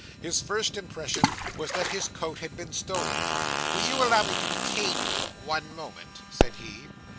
His first impression was that his coat had been stolen. 'Will you allow me to detain you one moment?' said he.